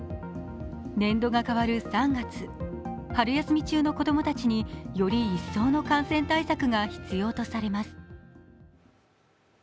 年度が変わる３月、春休み中の子供たちにより一層の感染対策が必要とされます。